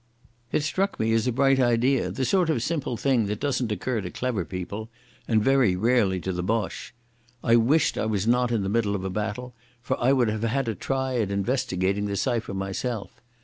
It struck me as a bright idea, the sort of simple thing that doesn't occur to clever people, and very rarely to the Boche. I wished I was not in the middle of a battle, for I would have had a try at investigating the cipher myself.